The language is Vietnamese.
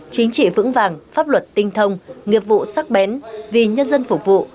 chính trị vững vàng pháp luật tinh thông nghiệp vụ sắc bén vì nhân dân phục vụ